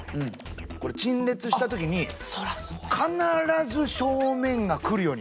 これ陳列した時に必ず正面が来るように。